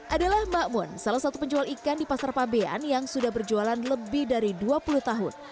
adalah mbak mun salah satu penjual ikan di pasar fabian yang sudah berjualan lebih dari dua puluh tahun